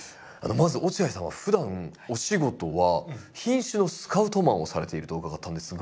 まず落合さんはふだんお仕事は品種のスカウトマンをされていると伺ったんですが。